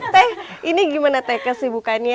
teeh ini gimana teeh kesibukannya